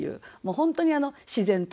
本当に自然と睦む。